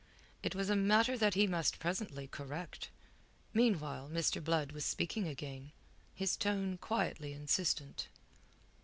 It was a matter that he must presently correct. Meanwhile Mr. Blood was speaking again, his tone quietly insistent.